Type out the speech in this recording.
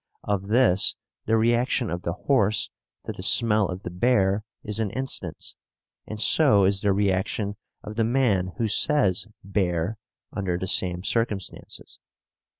Of this the reaction of the horse to the smell of the bear is an instance, and so is the reaction of the man who says "bear" under the same circumstances.